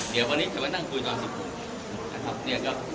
เดี๋ยววันนี้เขาจะไม่นั่งคุยเวลาสิบสัปดาห์